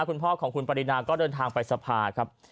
คุณพ่อของคุณปรินาก็เดินทางไปสภาครับ